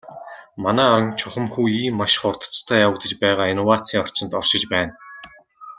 Манай орон чухамхүү ийм маш хурдацтай явагдаж байгаа инновацийн орчинд оршиж байна.